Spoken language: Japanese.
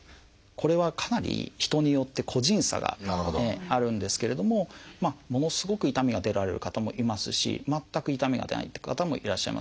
これはかなり人によって個人差があるんですけれどもものすごく痛みが出られる方もいますし全く痛みが出ないって方もいらっしゃいます。